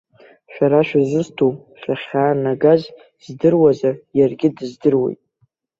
Шәара шәызусҭоу, шәахьаанагаз здыруазар иаргьы дыздыруеит.